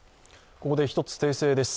ここで１つ訂正です。